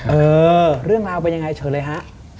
เออเรื่องราวเป็นยังไงเชิญเลยฮะ